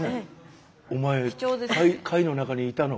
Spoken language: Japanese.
お前貝の中にいたの？